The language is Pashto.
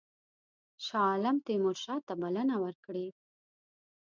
شاه عالم تیمورشاه ته بلنه ورکړې.